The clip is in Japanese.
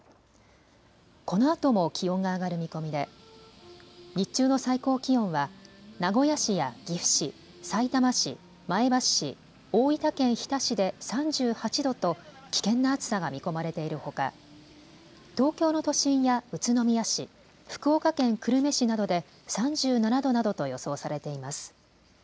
このあとも気温が上がる見込みで日中の最高気温は名古屋市や岐阜市、さいたま市、前橋市、大分県日田市で３８度と危険な暑さが見込まれているほか東京の都心や宇都宮市、福岡県久留米市などで３７度などと予想されています。